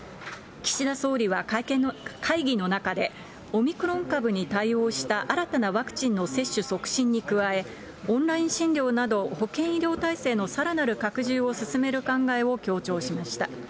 岸田総理は会議の中で、オミクロン株に対応した新たなワクチンの接種促進に加え、オンライン診療など、保健医療体制のさらなる拡充を進める考えを強調しました。